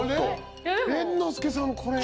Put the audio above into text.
猿之助さんこれ。